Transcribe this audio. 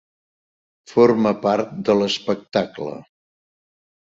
Forma part de l'espectacle.